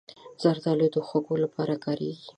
زردالو د خوږو لپاره کارېږي.